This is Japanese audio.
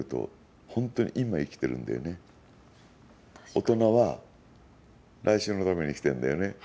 大人は来週のために生きてるんだよね。